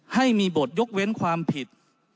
ให้มีบทยกเว้นความผิด